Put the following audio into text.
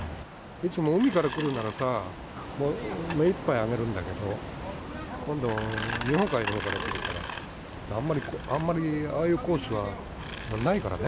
いつも海から来るならさ、もう目いっぱいあげるんだけど、今度は日本海のほうから来るから、あんまりああいうコースはないからね。